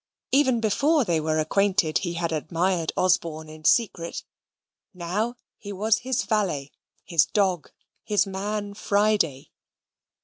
Even before they were acquainted, he had admired Osborne in secret. Now he was his valet, his dog, his man Friday.